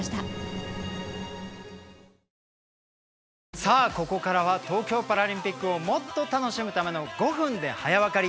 さあここからは東京パラリンピックをもっと楽しむための「５分で早わかり」